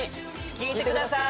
聴いてください。